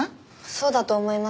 そうだと思います。